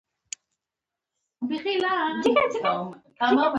نیکه د ژوند د هرې ورځې لپاره ډېر ځله سختۍ زغمي.